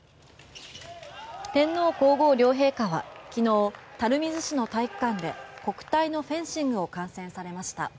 天皇・皇后両陛下は昨日垂水市の体育館で国体のフェンシングを観戦されました。